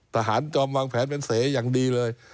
จอมวางแผนเป็นเสอย่างดีเลย